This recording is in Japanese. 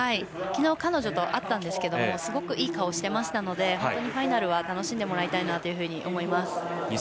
昨日、彼女と会ったんですがすごくいい顔をしていたので本当にファイナルは楽しんでもらいたいと思います。